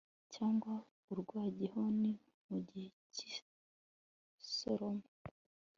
cyangwa urwa gihoni mu gihe cy'isoroma